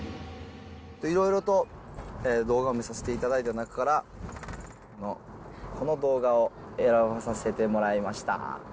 いろいろと動画を見させていただいた中から、この動画を選ばさせてもらいました。